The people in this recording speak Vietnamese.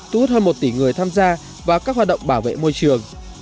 thu hút hơn một tỷ người tham gia vào các hoạt động bảo vệ môi trường